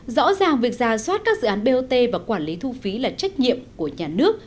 rõ ràng việc ra soát các dự án bot và quản lý thu phí là trách nhiệm của nhà nước